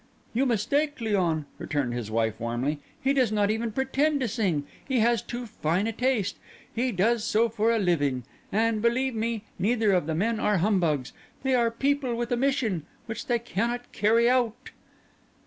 "You mistake Léon," returned his wife warmly. "He does not even pretend to sing; he has too fine a taste; he does so for a living. And, believe me, neither of the men are humbugs. They are people with a mission—which they cannot carry out."